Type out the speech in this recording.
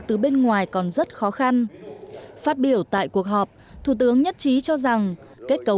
tôi góp ý anh huệ hay là công chí đã nè